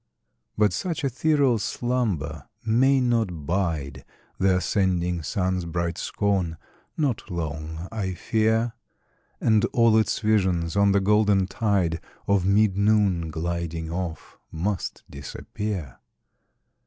But such ethereal slumber may not bide The ascending sun's bright scorn not long, I fear; And all its visions on the golden tide Of mid noon gliding off, must disappear.